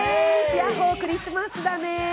ヤッホー、クリスマスだね。